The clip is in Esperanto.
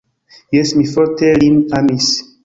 Jes, mi forte lin amis.